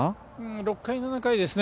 ６回７回ですね